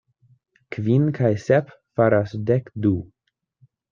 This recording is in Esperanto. Kvin kaj sep faras dek du.